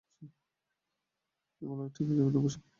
বলো ও ঠিক হয়ে যাবে তো, বিশু।